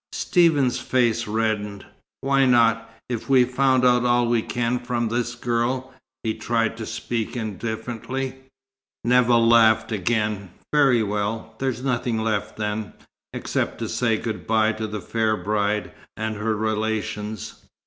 Stephen's face reddened. "Why not, if we've found out all we can from this girl?" He tried to speak indifferently. Nevill laughed again. "Very well. There's nothing left then, except to say good bye to the fair bride and her relations."